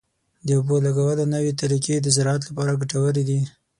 د اوبو لګولو نوې طریقې د زراعت لپاره ګټورې دي.